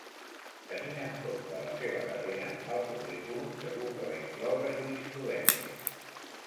Tenint en compte la seva carrera, el currículum segur que va incloure jurisprudència.